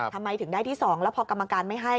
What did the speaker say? ทำไมถึงได้ที่๒แล้วพอกรรมการไม่ให้